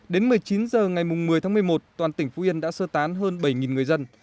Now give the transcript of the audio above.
đến một mươi chín h ngày một mươi tháng một mươi một toàn tỉnh phú yên đã sơ tán hơn bảy người dân